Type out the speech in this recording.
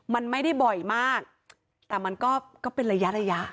มันไม่ได้บ่อยมากแต่มันก็เป็นระยะระยะ